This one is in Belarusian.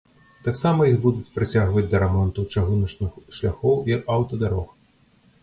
Таксама іх будуць прыцягваць да рамонту чыгуначных шляхоў і аўтадарог.